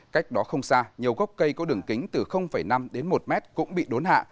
cách đó không xa nhiều gốc cây có đường kính từ năm đến một mét cũng bị đốn hạ